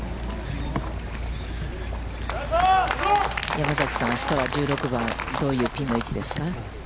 山崎さん、あしたは１６番、どういうピンの位置ですか？